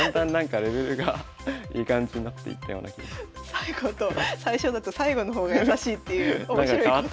最後と最初だと最後の方が易しいっていう面白い講座。